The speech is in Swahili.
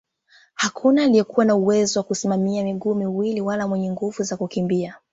Hakuna aliyekuwa na uwezo wa kusimamia miguu miwili wala mwenye nguvu za kukimbia